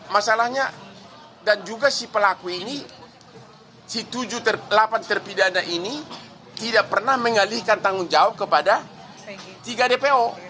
masalahnya dan juga si pelaku ini si delapan terpidana ini tidak pernah mengalihkan tanggung jawab kepada tiga dpo